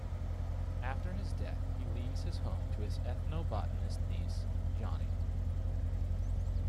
After his death, he leaves his home to his ethnobotanist niece, Jonni.